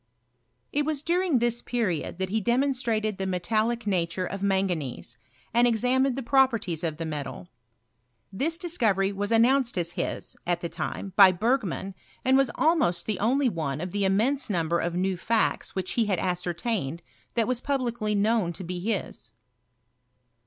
It was during this period that he demonstrated the metallic nature of manganese, and examined the properties of the metal. This discovery was an nounced as his, at the time, by Bergman, and was almost the only one of the immense number of new facts which he had ascertained that was publicly known to be his.